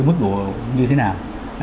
cái mức của như thế nào